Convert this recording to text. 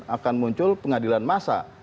akan muncul pengadilan massa